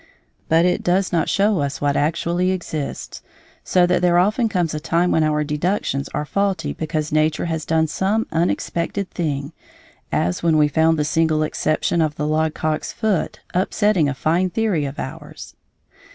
But it does not show us what actually exists, so there often comes a time when our deductions are faulty because Nature has done some unexpected thing, as when we found the single exception of the logcock's foot upsetting a fine theory of ours.